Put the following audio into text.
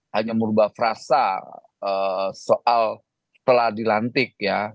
hanya merubah frasa soal telah dilantik ya